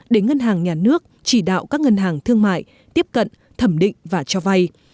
đến ngân hàng nhà nước chỉ đạo các ngân hàng thương mại tiếp cận thẩm định và cho vay